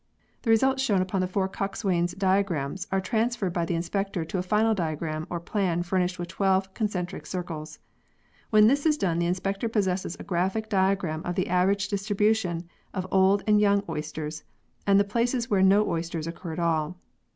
The results shown upon the four coxswains' diagrams are transferred by the inspector to a final diagram or plan furnished with twelve concentric circles. When this is done the inspector possesses a graphic diagram of the average distribution of old and young oysters, and the places where no oysters occur at all.